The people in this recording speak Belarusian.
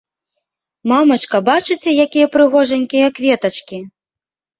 Мамачка, бачыце, якія прыгожанькія кветачкі?